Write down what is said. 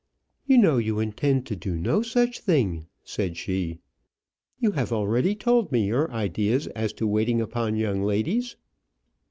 "You know you intend to do no such thing," said she. "You have already told me your ideas as to waiting upon young ladies."